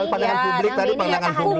pandangan pandangan publik tadi pandangan publik